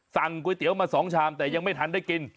สั่งก๋วยเตี๋ยวมา๒ชามแต่ยังไม่ทันได้กิน